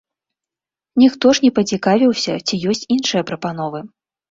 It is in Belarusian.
Ніхто ж не пацікавіўся, ці ёсць іншыя прапановы.